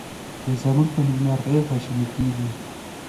چې زمونږ په نیکمرغي خواشیني کیږي